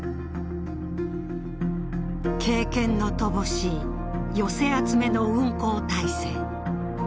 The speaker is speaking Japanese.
経験の乏しい寄せ集めの運航体制。